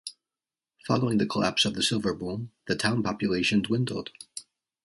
Following the collapse of the Silver Boom, the town population dwindled.